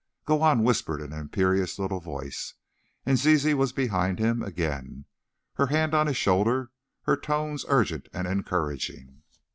"Go on!" whispered an imperious little voice, and Zizi was behind him again, her hand on his shoulder, her tones urgent and encouraging.